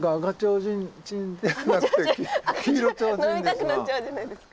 飲みたくなっちゃうじゃないですか。